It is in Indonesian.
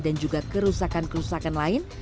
dan juga kerusakan kerusakan lain